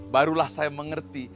barulah saya mengerti